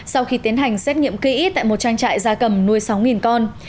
sau khi tiến hành xét nghiệm kỹ tại một trang trại gia cầm nuôi sáu con